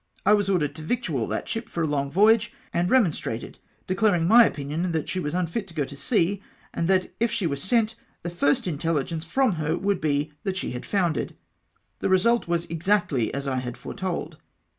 I Avas ordered to victual that ship for a long voyage, and re monstrated — declaring my opinion that she was unfit to go to sea, and that, if she were sent, the first intelligence from her would be, that she had foundered. The result was ex actly as I had foretold.